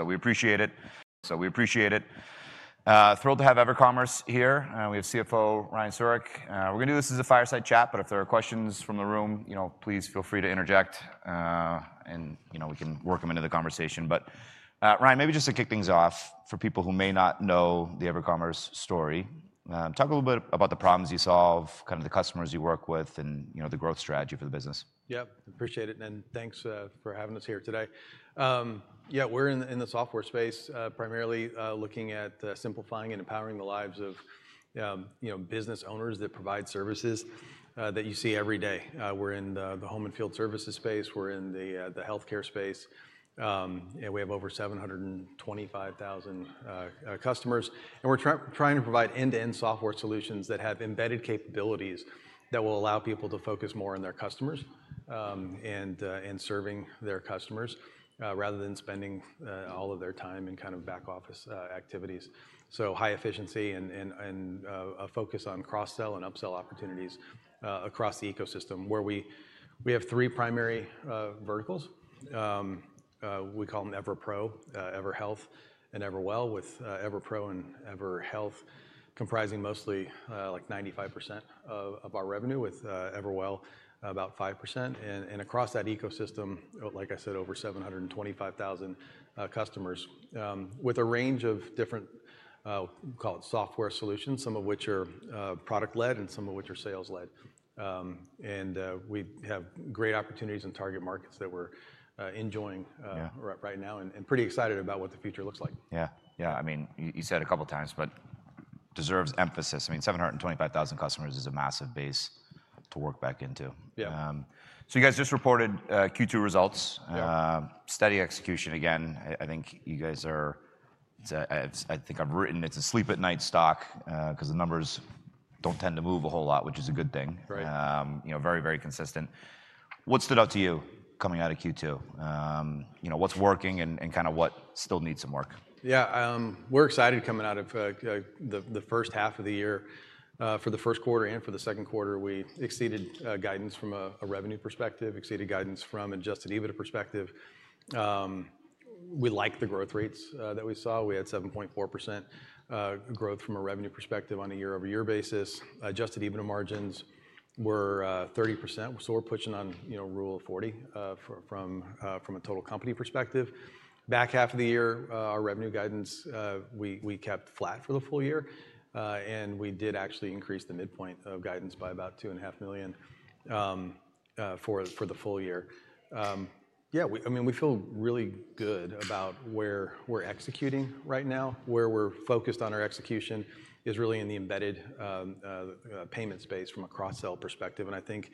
We appreciate it. Thrilled to have EverCommerce here. We have CFO Ryan Siurek. We're going to do this as a fireside chat, but if there are questions from the room, please feel free to interject, and we can work them into the conversation. Ryan, maybe just to kick things off for people who may not know the EverCommerce story, talk a little bit about the problems you solve, kind of the customers you work with, and the growth strategy for the business. Yep. Appreciate it. Thanks for having us here today. We're in the software space, primarily looking at simplifying and empowering the lives of, you know, business owners that provide services that you see every day. We're in the home and field services space. We're in the healthcare space. We have over 725,000 customers. We're trying to provide end-to-end software solutions that have embedded capabilities that will allow people to focus more on their customers, in serving their customers, rather than spending all of their time in kind of back office activities. High efficiency and a focus on cross-sell and up-sell opportunities across the ecosystem where we have three primary verticals. We call them EverPro, EverHealth, and EverWell, with EverPro and EverHealth comprising mostly, like 95% of our revenue, with EverWell about 5%. Across that ecosystem, like I said, over 725,000 customers, with a range of different, call it software solutions, some of which are product-led and some of which are sales-led. We have great opportunities in target markets that we're enjoying right now and pretty excited about what the future looks like. Yeah. I mean, you said a couple of times, but deserves emphasis. I mean, 725,000 customers is a massive base to work back into. Yeah. You guys just reported Q2 results. Yeah. Steady execution again. I think you guys are, it's a, I think I've written it's a sleep-at-night stock, because the numbers don't tend to move a whole lot, which is a good thing. Right. Very, very consistent. What stood out to you coming out of Q2? You know, what's working and kind of what still needs some work? Yeah. We're excited coming out of the first half of the year. For the first quarter and for the second quarter, we exceeded guidance from a revenue perspective, exceeded guidance from an adjusted EBITDA perspective. We like the growth rates that we saw. We had 7.4% growth from a revenue perspective on a year-over-year basis. Adjusted EBITDA margins were 30%. We're pushing on, you know, a rule of forty from a total company perspective. Back half of the year, our revenue guidance, we kept flat for the full year, and we did actually increase the midpoint of guidance by about $2.5 million for the full year. Yeah. We feel really good about where we're executing right now. Where we're focused on our execution is really in the embedded payment space from a cross-sell perspective. I think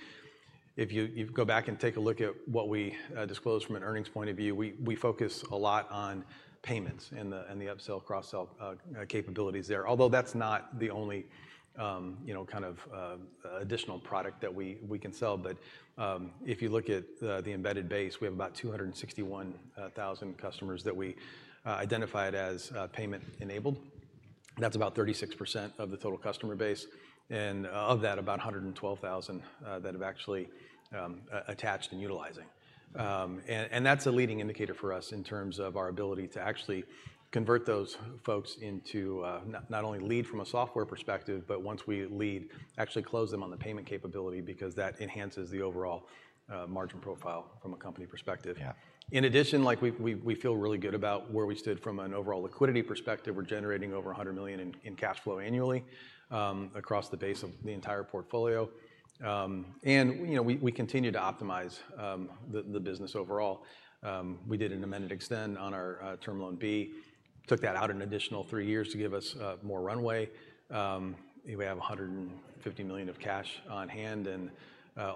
if you go back and take a look at what we disclosed from an earnings point of view, we focus a lot on payments and the up-sell, cross-sell capabilities there. Although that's not the only, you know, kind of additional product that we can sell. If you look at the embedded base, we have about 261,000 customers that we identified as payment-enabled. That's about 36% of the total customer base, and of that, about 112,000 that have actually attached and are utilizing. That's a leading indicator for us in terms of our ability to actually convert those folks into, not only lead from a software perspective, but once we lead, actually close them on the payment capability because that enhances the overall margin profile from a company perspective. Yeah. In addition, we feel really good about where we stood from an overall liquidity perspective. We're generating over $100 million in cash flow annually, across the base of the entire portfolio, and we continue to optimize the business overall. We did an amend and extend on our term loan B, took that out an additional three years to give us more runway. We have $150 million of cash on hand, and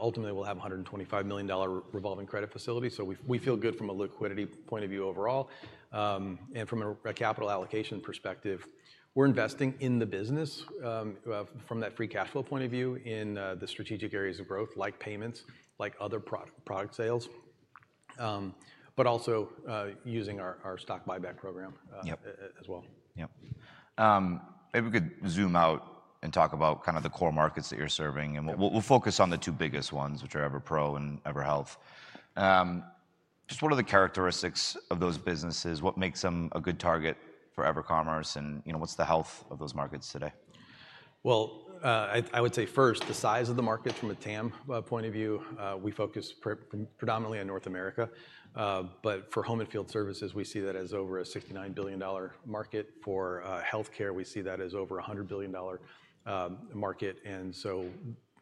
ultimately, we'll have a $125 million revolving credit facility. We feel good from a liquidity point of view overall, and from a capital allocation perspective, we're investing in the business from that free cash flow point of view in the strategic areas of growth like payments, like other product sales, but also using our stock buyback program as well. Yep. Maybe we could zoom out and talk about kind of the core markets that you're serving. We'll focus on the two biggest ones, which are EverPro and EverHealth. Just what are the characteristics of those businesses? What makes them a good target for EverCommerce? You know, what's the health of those markets today? First, the size of the markets from a TAM point of view. We focus predominantly on North America, but for home and field services, we see that as over a $69 billion market. For healthcare, we see that as over a $100 billion market.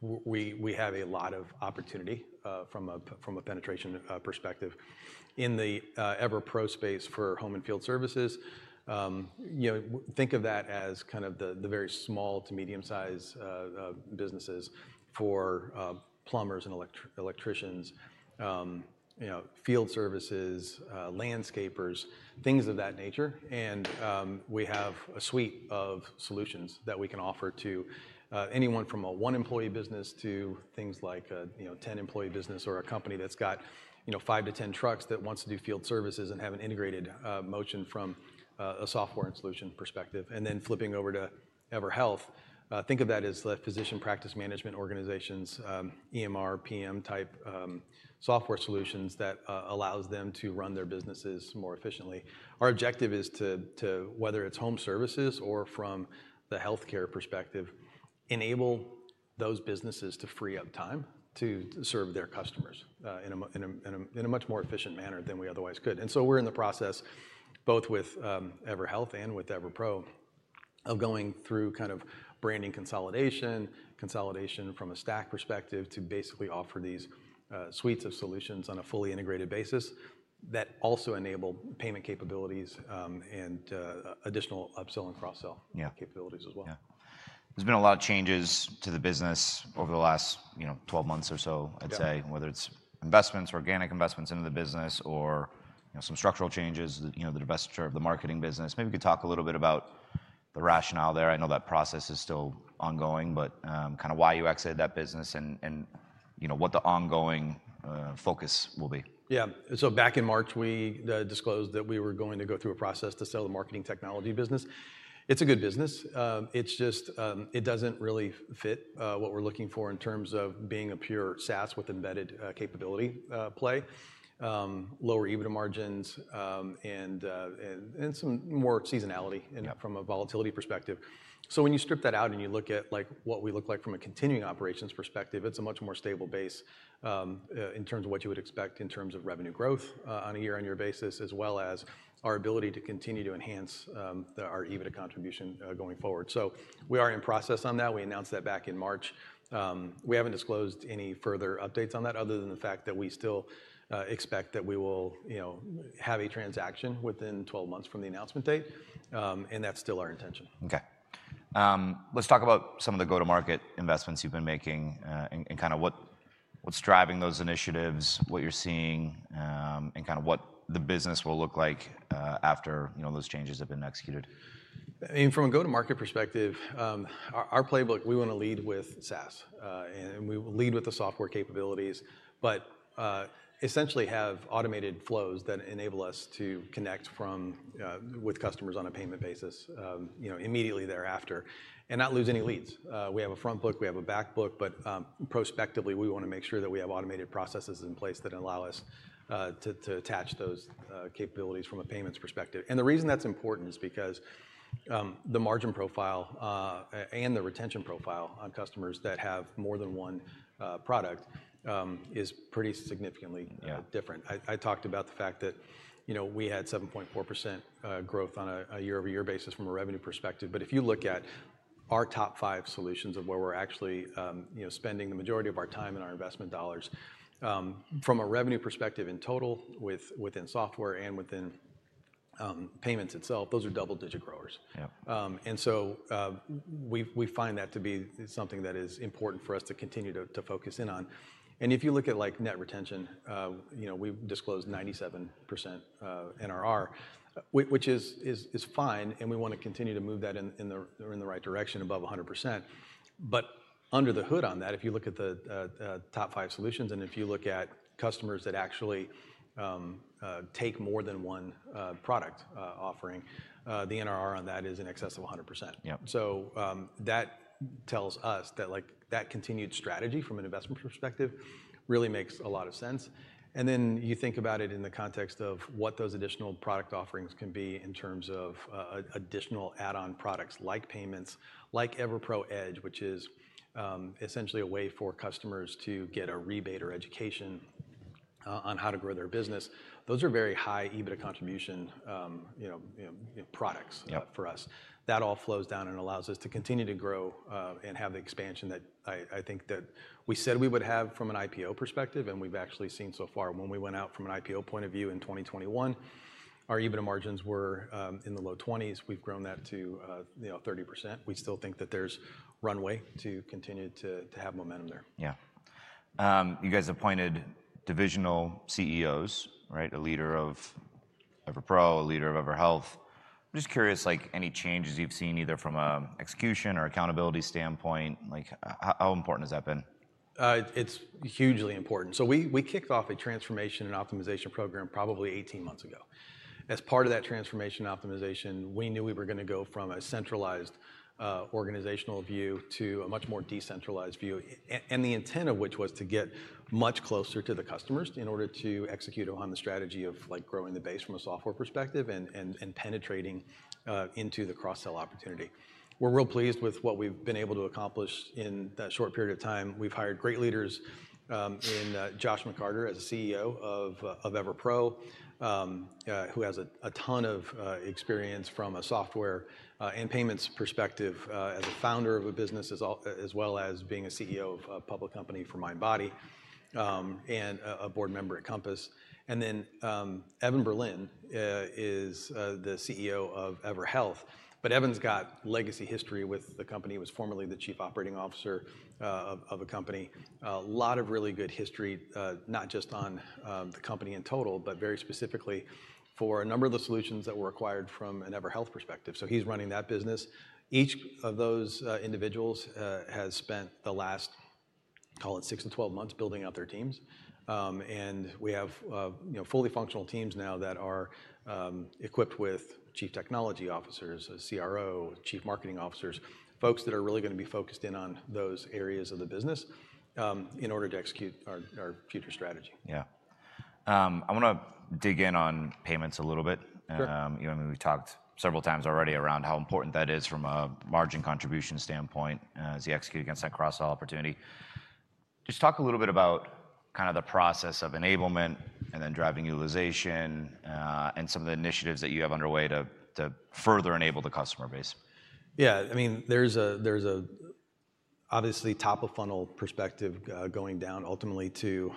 We have a lot of opportunity from a penetration perspective. In the EverPro space for home and field services, think of that as the very small to medium size businesses for plumbers and electricians, field services, landscapers, things of that nature. We have a suite of solutions that we can offer to anyone from a one-employee business to things like a ten-employee business or a company that's got five to ten trucks that wants to do field services and have an integrated motion from a software and solution perspective. Flipping over to EverHealth, think of that as physician practice management organizations, EMR, PM type software solutions that allow them to run their businesses more efficiently. Our objective is to, whether it's home services or from the healthcare perspective, enable those businesses to free up time to serve their customers in a much more efficient manner than we otherwise could. We're in the process, both with EverHealth and with EverPro, of going through branding consolidation, consolidation from a stack perspective to basically offer these suites of solutions on a fully integrated basis that also enable payment capabilities, and additional up-sell and cross-sell capabilities as well. Yeah, there's been a lot of changes to the business over the last twelve months or so, I'd say. Yeah. Whether it's investments, organic investments into the business, or some structural changes, the divestiture of the marketing business. Maybe you could talk a little bit about the rationale there. I know that process is still ongoing, but kind of why you exited that business and what the ongoing focus will be. Yeah. Back in March, we disclosed that we were going to go through a process to sell the marketing technology business. It's a good business, it just doesn't really fit what we're looking for in terms of being a pure SaaS with embedded capability play. Lower EBITDA margins and some more seasonality in it from a volatility perspective. When you strip that out and you look at what we look like from a continuing operations perspective, it's a much more stable base in terms of what you would expect in terms of revenue growth on a year-on-year basis, as well as our ability to continue to enhance our EBITDA contribution going forward. We are in process on that. We announced that back in March. We haven't disclosed any further updates on that other than the fact that we still expect that we will have a transaction within twelve months from the announcement date, and that's still our intention. Okay. Let's talk about some of the go-to-market investments you've been making, what's driving those initiatives, what you're seeing, and what the business will look like after those changes have been executed. I mean, from a go-to-market perspective, our playbook, we wanna lead with SaaS, and we will lead with the software capabilities, but essentially have automated flows that enable us to connect with customers on a payment basis, you know, immediately thereafter and not lose any leads. We have a front book. We have a back book, but prospectively, we wanna make sure that we have automated processes in place that allow us to attach those capabilities from a payments perspective. The reason that's important is because the margin profile, and the retention profile on customers that have more than one product, is pretty significantly different. Yeah. I talked about the fact that, you know, we had 7.4% growth on a year-over-year basis from a revenue perspective. If you look at our top five solutions of where we're actually, you know, spending the majority of our time and our investment dollars from a revenue perspective in total within software and within payments itself, those are double-digit growers. Yeah. We find that to be something that is important for us to continue to focus in on. If you look at, like, net retention, we've disclosed 97% NRR, which is fine, and we wanna continue to move that in the right direction above 100%. Under the hood on that, if you look at the top five solutions and if you look at customers that actually take more than one product offering, the NRR on that is in excess of 100%. Yep. That tells us that continued strategy from an investment perspective really makes a lot of sense. You think about it in the context of what those additional product offerings can be in terms of additional add-on products like payments, like EverPro Edge, which is essentially a way for customers to get a rebate or education on how to grow their business. Those are very high EBITDA contribution products for us. Yeah. That all flows down and allows us to continue to grow and have the expansion that I think that we said we would have from an IPO perspective, and we've actually seen so far. When we went out from an IPO point of view in 2021, our EBITDA margins were in the low twenties. We've grown that to, you know, 30%. We still think that there's runway to continue to have momentum there. Yeah. You guys appointed Divisional CEOs, right? A leader of EverPro, a leader of EverHealth. I'm just curious, like, any changes you've seen either from an execution or accountability standpoint? How important has that been? It's hugely important. We kicked off a transformation and optimization program probably 18 months ago. As part of that transformation and optimization, we knew we were going to go from a centralized organizational view to a much more decentralized view, the intent of which was to get much closer to the customers in order to execute on the strategy of growing the base from a software perspective and penetrating into the cross-sell opportunity. We're real pleased with what we've been able to accomplish in that short period of time. We've hired great leaders, Josh McCarter as CEO of EverPro, who has a ton of experience from a software and payments perspective, as a founder of a business as well as being CEO of a public company for MindBody, and a board member at Compass. Evan Berlin is the CEO of EverHealth. Evan's got legacy history with the company. He was formerly the Chief Operating Officer of a company. A lot of really good history, not just on the company in total, but very specifically for a number of the solutions that were acquired from an EverHealth perspective. He's running that business. Each of those individuals has spent the last, call it, six to 12 months building out their teams. We have fully functional teams now that are equipped with Chief Technology Officers, a CRO, Chief Marketing Officers, folks that are really going to be focused in on those areas of the business in order to execute our future strategy. Yeah, I want to dig in on payments a little bit. Sure. We talked several times already around how important that is from a margin contribution standpoint, as you execute against that cross-sell opportunity. Just talk a little bit about kind of the process of enablement and then driving utilization, and some of the initiatives that you have underway to further enable the customer base. Yeah. I mean, there's obviously a top-of-funnel perspective, going down ultimately to,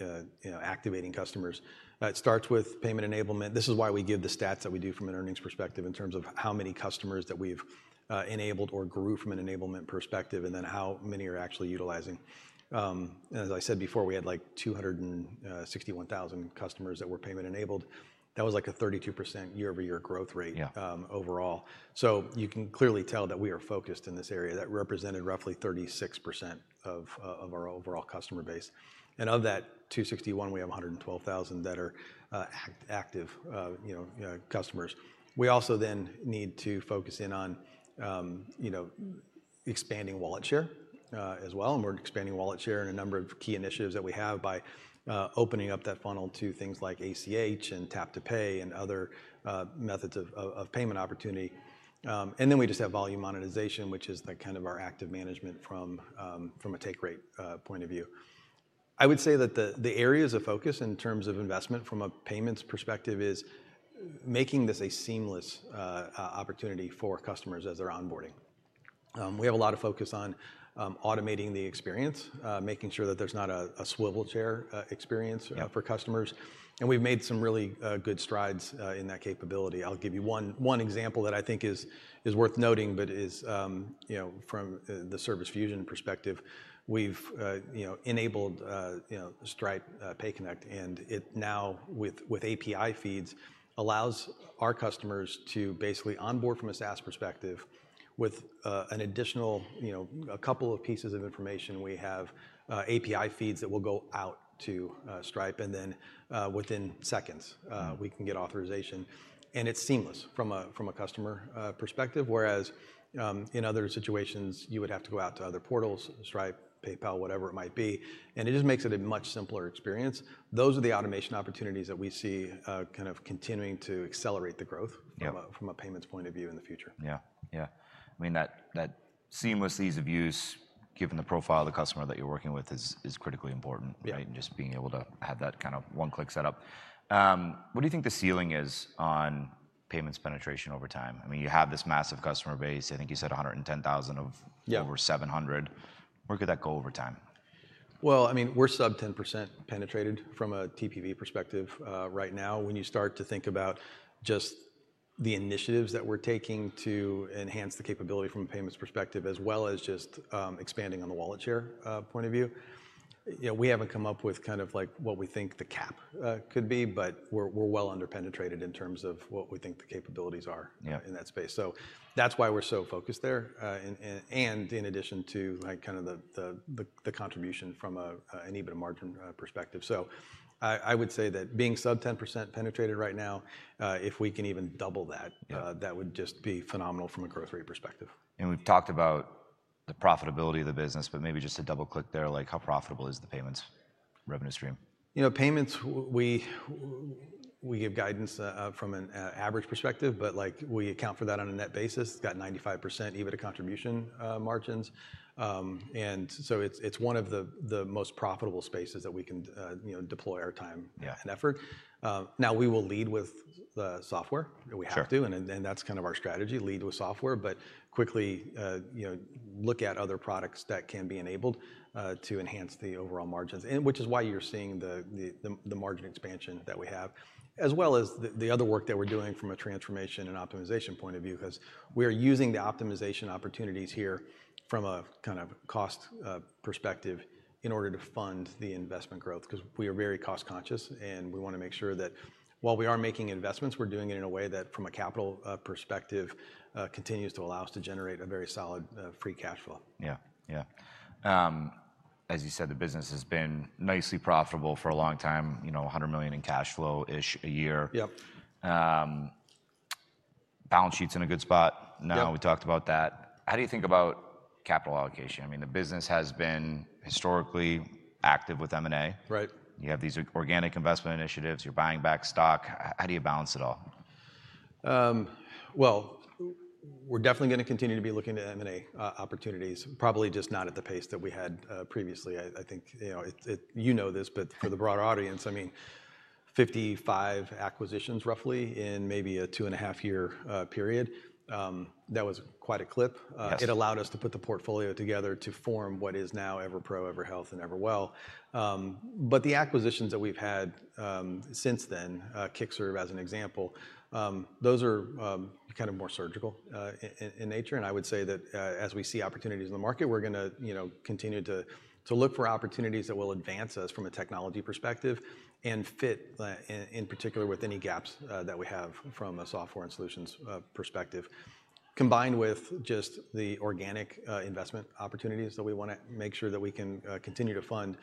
you know, activating customers. It starts with payment enablement. This is why we give the stats that we do from an earnings perspective in terms of how many customers that we've enabled or grew from an enablement perspective and then how many are actually utilizing. As I said before, we had, like, 261,000 customers that were payment enabled. That was like a 32% year-over-year growth rate, overall. You can clearly tell that we are focused in this area. That represented roughly 36% of our overall customer base. Of that 261, we have 112,000 that are active, you know, customers. We also then need to focus in on, you know, expanding wallet share, as well. We're expanding wallet share in a number of key initiatives that we have by opening up that funnel to things like ACH and tap to pay and other methods of payment opportunity. We just have volume monetization, which is kind of our active management from a take rate point of view. I would say that the areas of focus in terms of investment from a payments perspective is making this a seamless opportunity for customers as they're onboarding. We have a lot of focus on automating the experience, making sure that there's not a swivel chair experience for customers. We've made some really good strides in that capability. I'll give you one example that I think is worth noting, but is, you know, from the Service Fusion perspective, we've enabled, you know, Stride, PayConnect. It now, with API feeds, allows our customers to basically onboard from a SaaS perspective with an additional, you know, a couple of pieces of information. We have API feeds that will go out to Stripe, and then, within seconds, we can get authorization. It's seamless from a customer perspective, whereas, in other situations, you would have to go out to other portals, Stripe, PayPal, whatever it might be. It just makes it a much simpler experience. Those are the automation opportunities that we see, kind of continuing to accelerate the growth. Yeah. From a payments point of view in the future. Yeah, I mean, that seamless ease of use, given the profile of the customer that you're working with, is critically important. Yeah. Right? Just being able to have that kind of one-click setup, what do you think the ceiling is on payments penetration over time? I mean, you have this massive customer base. I think you said 110,000 of. Yeah. Over 700. Where could that go over time? We're sub 10% penetrated from a TPV perspective right now. When you start to think about just the initiatives that we're taking to enhance the capability from a payments perspective, as well as expanding on the wallet share point of view, you know, we haven't come up with kind of, like, what we think the cap could be, but we're well underpenetrated in terms of what we think the capabilities are. Yeah. That's why we're so focused there, and in addition to the contribution from an EBITDA margin perspective. I would say that being sub 10% penetrated right now, if we can even double that, that would just be phenomenal from a growth rate perspective. We've talked about the profitability of the business, but maybe just to double click there, like, how profitable is the payments revenue stream? You know, payments, we give guidance from an average perspective, but we account for that on a net basis. It's got 95% EBITDA contribution margins, and so it's one of the most profitable spaces that we can deploy our time. Yeah. We will lead with the software. We have to. Sure. That's kind of our strategy, lead with software, but quickly, you know, look at other products that can be enabled to enhance the overall margins, which is why you're seeing the margin expansion that we have, as well as the other work that we're doing from a transformation and optimization point of view. We are using the optimization opportunities here from a kind of cost perspective in order to fund the investment growth because we are very cost conscious, and we wanna make sure that while we are making investments, we're doing it in a way that, from a capital perspective, continues to allow us to generate a very solid free cash flow. Yeah, as you said, the business has been mostly profitable for a long time, you know, $100 million in cash flow a year. Yep. Balance sheet's in a good spot. Yeah. We talked about that. How do you think about capital allocation? I mean, the business has been historically active with M&A. Right. You have these organic investment initiatives. You're buying back stock. How do you balance it all? We're definitely going to continue to be looking at M&A opportunities, probably just not at the pace that we had previously. I think, you know this, but for the broader audience, I mean, 55 acquisitions roughly in maybe a two and a half year period. That was quite a clip. Yeah. It allowed us to put the portfolio together to form what is now EverPro, EverHealth, and EverWell. The acquisitions that we've had since then, Kickserve as an example, are more surgical in nature. I would say that as we see opportunities in the market, we're going to continue to look for opportunities that will advance us from a technology perspective and fit, in particular, with any gaps that we have from a software and solutions perspective. Combined with just the organic investment opportunities that we want to make sure that we can continue to fund.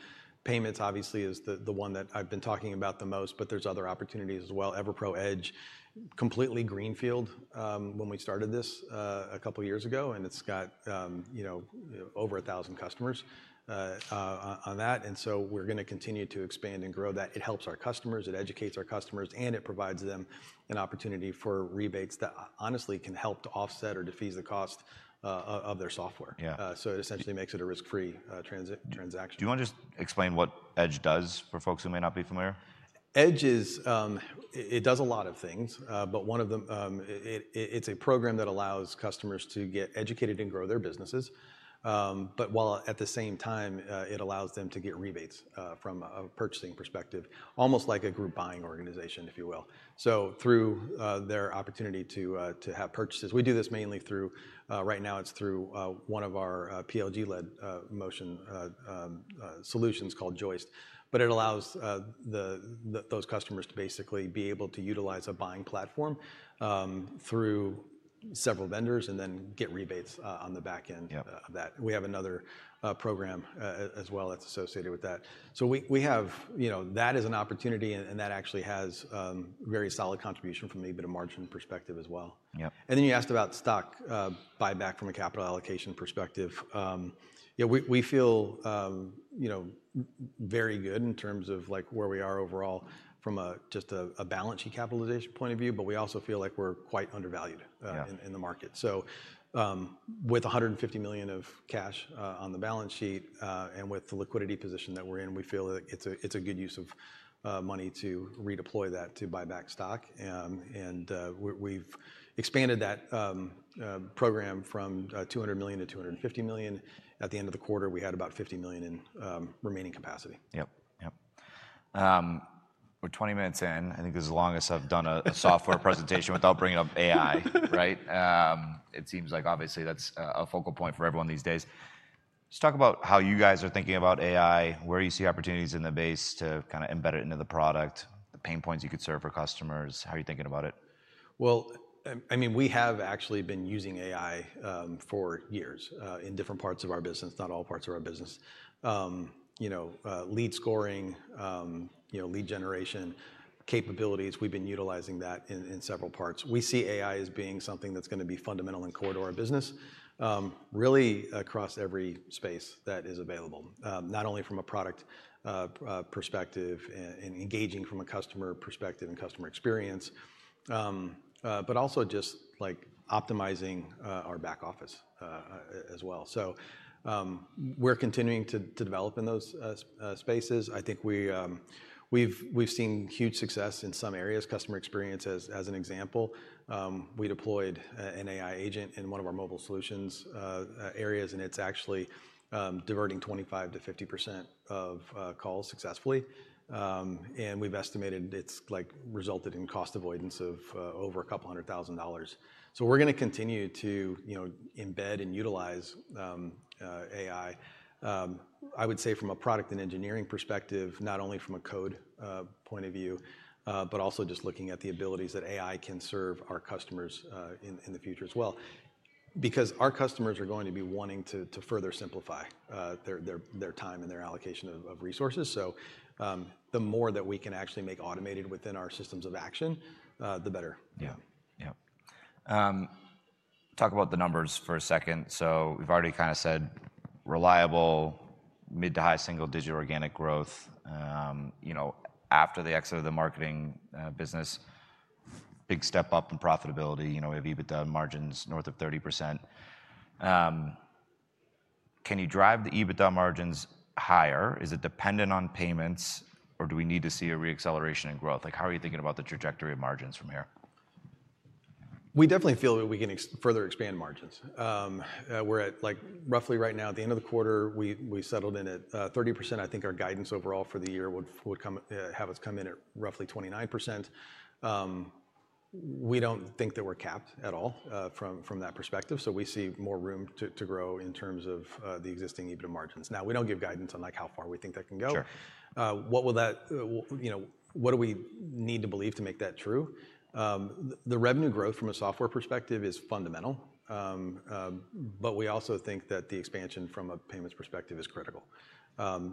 Payments, obviously, is the one that I've been talking about the most, but there's other opportunities as well. EverPro Edge was completely greenfield when we started this a couple of years ago, and it's got over 1,000 customers on that. We're going to continue to expand and grow that. It helps our customers, it educates our customers, and it provides them an opportunity for rebates that, honestly, can help to offset or defuse the cost of their software. Yeah. It essentially makes it a risk-free transaction. Do you want to just explain what Edge does for folks who may not be familiar? Edge does a lot of things, but one of them is it's a program that allows customers to get educated and grow their businesses. While at the same time, it allows them to get rebates from a purchasing perspective, almost like a group buying organization, if you will. Through their opportunity to have purchases, we do this mainly through, right now, one of our PLG-led motion solutions called Joist. It allows those customers to basically be able to utilize a buying platform through several vendors and then get rebates on the back end of that. Yeah. We have another program as well that's associated with that. We have, you know, that is an opportunity, and that actually has very solid contribution from the EBITDA margin perspective as well. Yep. You asked about stock buyback from a capital allocation perspective. We feel very good in terms of where we are overall from just a balance sheet capitalization point of view, but we also feel like we're quite undervalued in the market. Yeah. With $150 million of cash on the balance sheet, and with the liquidity position that we're in, we feel that it's a good use of money to redeploy that to buy back stock. We've expanded that program from $200 million-$250 million. At the end of the quarter, we had about $50 million in remaining capacity. Yep. Yep. We're twenty minutes in. I think this is the longest I've done a software presentation without bringing up AI, right? It seems like obviously that's a focal point for everyone these days. Let's talk about how you guys are thinking about AI, where you see opportunities in the base to kind of embed it into the product, the pain points you could serve for customers. How are you thinking about it? I mean, we have actually been using AI for years in different parts of our business, not all parts of our business. You know, lead scoring, lead generation capabilities, we've been utilizing that in several parts. We see AI as being something that's going to be fundamental and core to our business, really, across every space that is available, not only from a product perspective and engaging from a customer perspective and customer experience, but also just optimizing our back office as well. We're continuing to develop in those spaces. I think we've seen huge success in some areas, customer experience as an example. We deployed an AI agent in one of our mobile solutions areas, and it's actually diverting 25%-50% of calls successfully. We've estimated it's resulted in cost avoidance of over a couple hundred thousand dollars. We're going to continue to embed and utilize AI, I would say from a product and engineering perspective, not only from a code point of view, but also just looking at the abilities that AI can serve our customers in the future as well. Because our customers are going to be wanting to further simplify their time and their allocation of resources. The more that we can actually make automated within our systems of action, the better. Yeah. Yeah. Talk about the numbers for a second. We've already kind of said reliable, mid to high single-digit organic growth, you know, after the exit of the marketing business, big step up in profitability. We have EBITDA margins north of 30%. Can you drive the EBITDA margins higher? Is it dependent on payments, or do we need to see a reacceleration in growth? How are you thinking about the trajectory of margins from here? We definitely feel that we can further expand margins. We're at, like, roughly right now at the end of the quarter, we settled in at 30%. I think our guidance overall for the year would have us come in at roughly 29%. We don't think that we're capped at all from that perspective. We see more room to grow in terms of the existing EBITDA margins. We don't give guidance on, like, how far we think that can go. Sure. What will that, you know, what do we need to believe to make that true? The revenue growth from a software perspective is fundamental, but we also think that the expansion from a payments perspective is critical.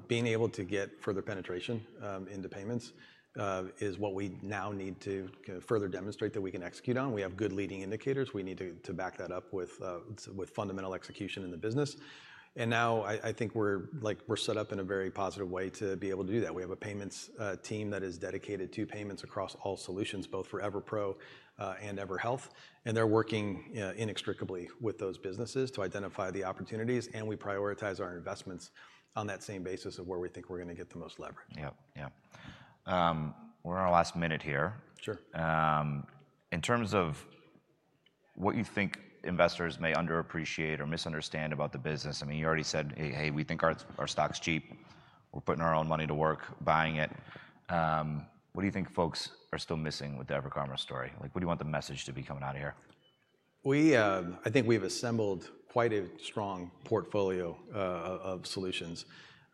Being able to get further penetration into payments is what we now need to further demonstrate that we can execute on. We have good leading indicators. We need to back that up with fundamental execution in the business. I think we're, like, we're set up in a very positive way to be able to do that. We have a payments team that is dedicated to payments across all solutions, both for EverPro and EverHealth. They're working inextricably with those businesses to identify the opportunities, and we prioritize our investments on that same basis of where we think we're going to get the most leverage. Yep. Yep. We're in our last minute here. Sure. In terms of what you think investors may underappreciate or misunderstand about the business, I mean, you already said, hey, we think our stock's cheap. We're putting our own money to work buying it. What do you think folks are still missing with the EverCommerce story? Like, what do you want the message to be coming out of here? I think we've assembled quite a strong portfolio of solutions,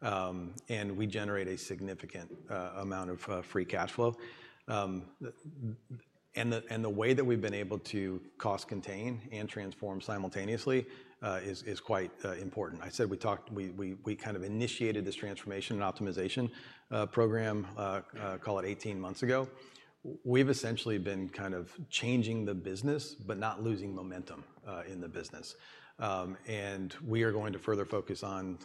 and we generate a significant amount of free cash flow. The way that we've been able to cost contain and transform simultaneously is quite important. We kind of initiated this transformation and optimization program, call it eighteen months ago. We've essentially been changing the business but not losing momentum in the business. We are going to further focus on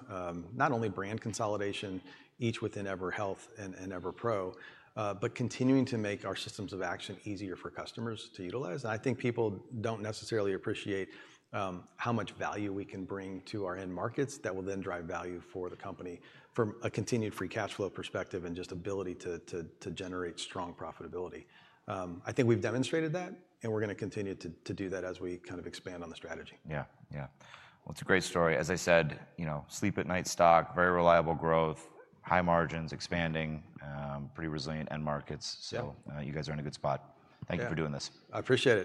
not only brand consolidation, each within EverHealth and EverPro, but continuing to make our systems of action easier for customers to utilize. I think people don't necessarily appreciate how much value we can bring to our end markets that will then drive value for the company from a continued free cash flow perspective and just ability to generate strong profitability. I think we've demonstrated that, and we're going to continue to do that as we expand on the strategy. Yeah. It's a great story. As I said, you know, sleep-at-night stock, very reliable growth, high margins, expanding, pretty resilient end markets. Yeah. You guys are in a good spot. Yeah. Thank you for doing this. I appreciate it.